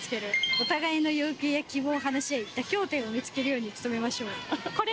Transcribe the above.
お互いの要求や希望を話し合い、妥協点を見つけるように努めましょう。